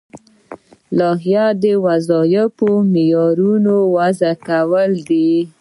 لایحه د وظیفوي معیارونو وضع کول دي.